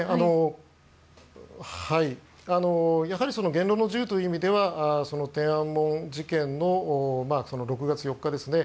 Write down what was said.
やはり言論の自由という意味では天安門事件の６月４日ですね。